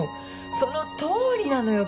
そのとおりなのよ！